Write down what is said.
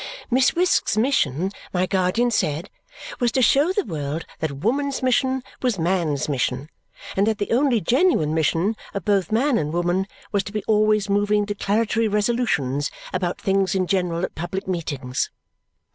Miss Wisk's mission, my guardian said, was to show the world that woman's mission was man's mission and that the only genuine mission of both man and woman was to be always moving declaratory resolutions about things in general at public meetings.